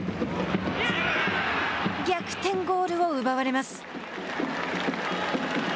逆転ゴールを奪われます。